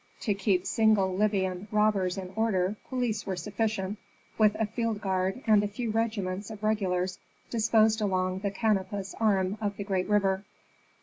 To keep single Libyan robbers in order police were sufficient, with a field guard and a few regiments of regulars disposed along the Canopus arm of the great river.